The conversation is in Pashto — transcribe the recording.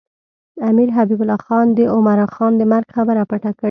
امیر حبیب الله خان د عمرا خان د مرګ خبره پټه کړې.